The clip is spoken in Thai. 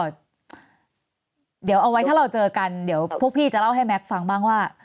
เดี๋ยวเอาไว้ถ้าเราเจอกันเดี๋ยวพวกพี่จะเล่าให้แม็กซ์ฟังบ้างว่า